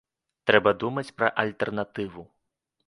Трэба думаць пра альтэрнатыву.